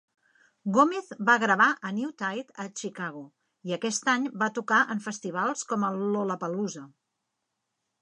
Gómez va gravar "A New Tide" a Chicago i, aquest any, va tocar en festivals com el Lollapalooza.